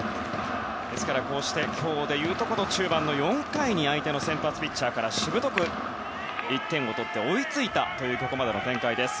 今日で言うと中盤の４回に相手の先発ピッチャーからしぶとく１点を取って追いついたというここまでの展開。